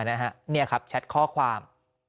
นี่ครับแชทข้อความ